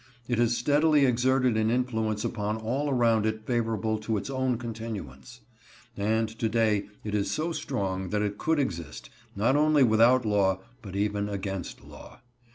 It has steadily exerted an influence upon all around it favorable to its own continuance. And to day it is so strong that it could exist, not only without law, but even against law.